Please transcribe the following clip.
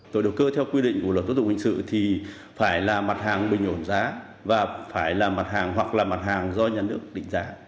rồi đầu cơ theo quy định của luật giáo dục hình sự thì phải là mặt hàng bình ổn giá và phải là mặt hàng hoặc là mặt hàng do nhà nước định giá